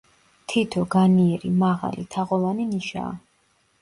თითო, განიერი, მაღალი, თაღოვანი ნიშაა.